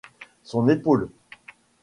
Son épaule